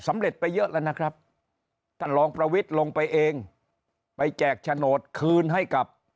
ไปเยอะแล้วนะครับท่านรองประวิทย์ลงไปเองไปแจกโฉนดคืนให้กับ